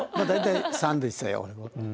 大体３でしたよ。